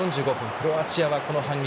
クロアチアは反撃。